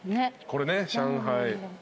これね上海